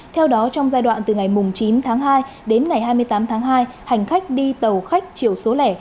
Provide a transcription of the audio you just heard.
theo đó trong giai đoạn từ ngày chín tháng hai đến ngày hai mươi tám tháng hai hành khách đi tàu khách chiều số lẻ